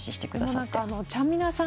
ちゃんみなさん